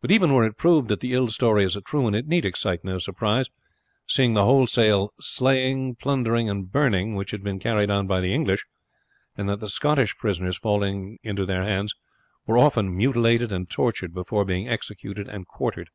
But even were it proved that the ill story is a true one, it need excite no surprise, seeing the wholesale slaying, plundering, and burning which had been carried on by the English, and that the Scottish prisoners falling into their hands were often mutilated and tortured before being executed and quartered.